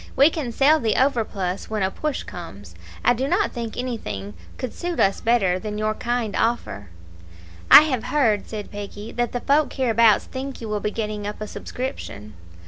We can sell the overplus when a push comes. I do not think anything could suit us better than your kind offer." "I have heard," said Peggy, "that the folk hereabouts think you will be getting up a subscription."